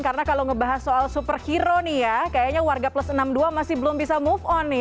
karena kalau ngebahas soal superhero nih ya kayaknya warga plus enam dua masih belum bisa move on nih